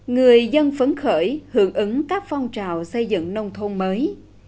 người dân phấn khởi hưởng ứng các phong trào xây dựng nông thôn mới